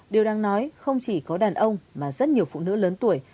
điều đáng nói không chỉ có đàn ông mà rất nhiều phụ nữ lớn tuổi